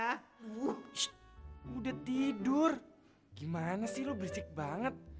shh udah tidur gimana sih lo berisik banget